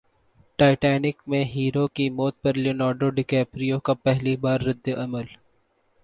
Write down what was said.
Titanic میں hero کی موت پر لیونارڈو ڈی کیپریو کا پہلی بار ردعمل